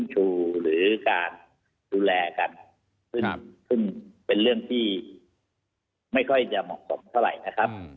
หรือการดูแลกันขึ้นเป็นเรื่องที่ไม่ค่อยจะเหมาะสมเท่าไหร่นะครับ